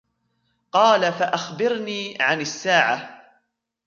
قالَ: فَأَخْبِرْني عَنِ السَّاعةِ.